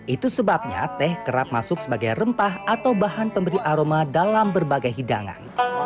itu sebabnya teh kerap masuk sebagai rempah atau bahan pemberi aroma dalam berbagai hidangan